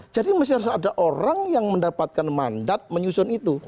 jadi mesti harus ada orang yang mendapatkan mandat menyusun itu